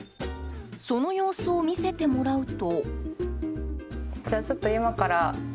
その様子を見せてもらうと。